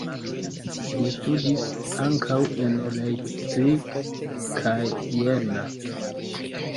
Li studis ankaŭ en Leipzig kaj Jena.